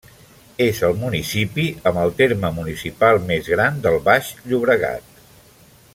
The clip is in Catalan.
És el municipi amb el terme municipal més gran del Baix Llobregat.